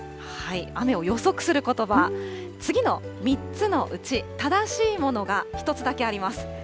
雨を予測することば、次の３つのうち、正しいものが１つだけあります。